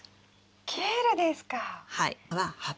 ケールですか。